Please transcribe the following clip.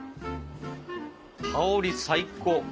香り最高！